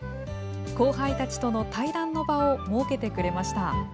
後輩たちとの対談の場を設けてくれました。